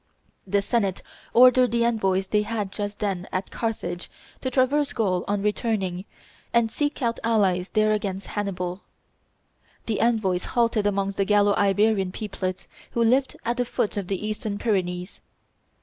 The Senate ordered the envoys they had just then at Carthage to traverse Gaul on returning, and seek out allies there against Hannibal. The envoys halted amongst the Gallo Iberian peoplets who lived at the foot of the eastern Pyrenees.